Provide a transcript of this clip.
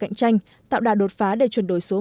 cạnh tranh tạo đà đột phá để chuyển đổi số